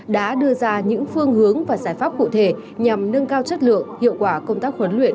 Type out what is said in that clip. đã đưa ra những phương hướng và giải pháp cụ thể nhằm nâng cao chất lượng hiệu quả công tác huấn luyện